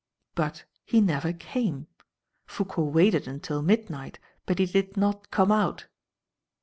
But he never came. Foucault waited until midnight, but he did not come out.